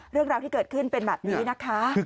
เรื่องราวที่เกิดขึ้นเป็นแบบนี้นะคะ